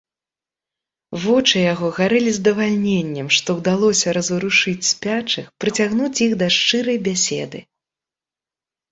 Вочы яго гарэлі здавальненнем, што ўдалося разварушыць спячых, прыцягнуць іх да шчырай бяседы.